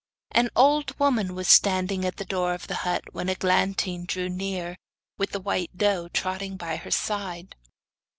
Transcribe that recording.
An old woman was standing at the door of the hut when Eglantine drew near, with the white doe trotting by her side.